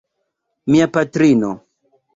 Mia patrino.